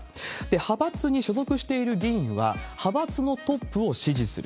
派閥に所属している議員は、派閥のトップを支持する。